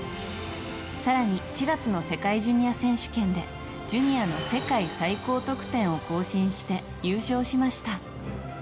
更に４月の世界ジュニア選手権でジュニアの世界最高得点を更新して優勝しました。